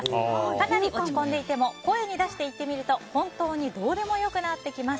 かなり落ち込んでいても声に出して言ってみると本当にどうでもよくなってきます。